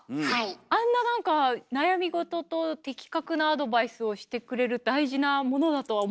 あんな何か悩みごとと的確なアドバイスをしてくれる大事なものだとは思ってなくて。